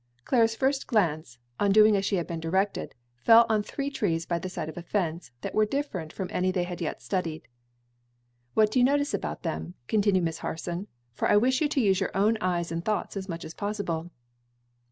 Clara's first glance, on doing as she had been directed, fell on three trees by the side of a fence, that were different from any they had yet studied. "What do you notice about them?" continued Miss Harson; "for I wish you to use your own eyes and thoughts as much as possible."